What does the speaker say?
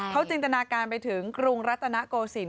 เขาจินตนาการไปถึงกรุงรัตนโกศิลป